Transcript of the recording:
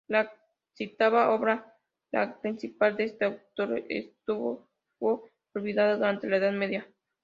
La citada obra, la principal de este autor, estuvo olvidada durante la Edad Media.